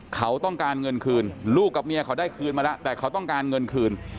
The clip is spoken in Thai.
เขาต้องการเงินคืนลูกกับเมียเขาได้คืนมาแล้วแต่เขาต้องการเงินคืน